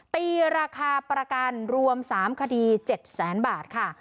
ตีราคาประกันรวม๓คดี๗แสนบาทค่ะ